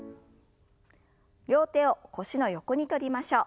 両手を腰の横に取りましょう。